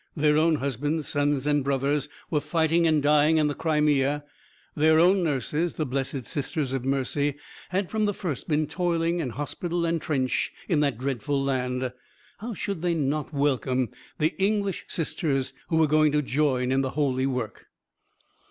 Their own husbands, sons, and brothers were fighting and dying in the Crimea; their own nurses, the blessed Sisters of Mercy, had from the first been toiling in hospital and trench in that dreadful land; how should they not welcome the English sisters who were going to join in the holy work?